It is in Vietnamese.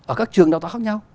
ở các trường đào tạo khác nhau